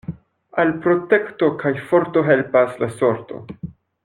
Al protekto kaj forto helpas la sorto.